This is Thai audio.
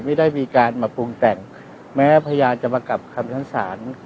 ไม่ได้มีการมาปรุงแต่งแม้พยานจะมากลับคำชั้นศาล